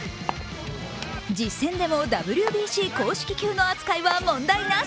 実戦でもＷＢＣ公式球の扱いは問題なし。